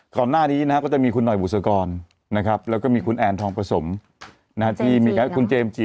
ก่อนหน้านี้นะครับก็จะมีคุณหน่อยบุษกรนะครับแล้วก็มีคุณแอนทองผสมที่มีคุณเจมส์จี